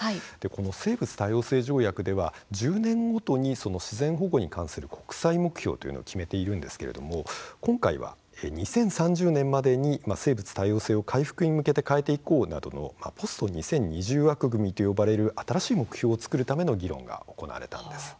生物多様性では１０年ごとに自然保護に関する国際目標を決めているんですが今回は２０３０年までに生物多様性が回復に向かうよう変えていこうなどポスト２０２０枠組みと呼ばれる新しい目標を作る議論が行われたんです。